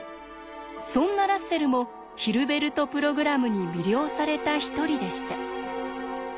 そんなラッセルもヒルベルト・プログラムに魅了された一人でした。